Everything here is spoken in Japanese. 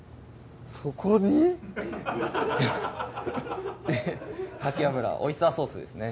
そこに⁉かき油オイスターソースですね